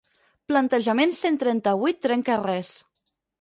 Plantejament cent trenta-vuit trenca res.